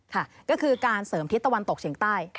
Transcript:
ค่ะก็คือการเสริมทิศตะวันตกเฉียงใต้